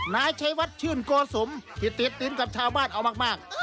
นายชัยวัดชื่นโกสมที่ติดดินกับชาวบ้านเอามาก